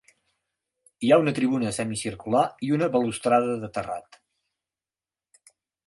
Hi ha una tribuna semicircular i una balustrada de terrat.